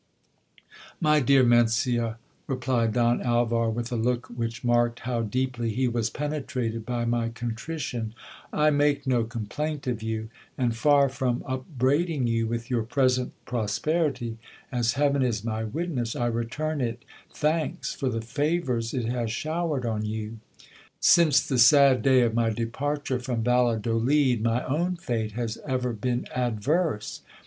My dear Mencia, replied Don Alvar, with a look which marked how deeply he was penetrated by my contrition, I make no complaint of you ; and far from upbraiding you with your present prosperity, as heaven is my witness, I return it thanks for the favours it has showered on you. Since the sad day of my departure from Valladolid, my own fate has ever been adverse.